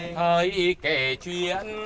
thời kể chuyện